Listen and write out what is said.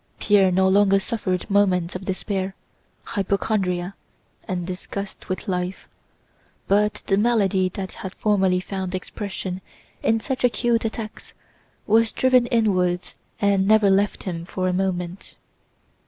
Pierre no longer suffered moments of despair, hypochondria, and disgust with life, but the malady that had formerly found expression in such acute attacks was driven inwards and never left him for a moment.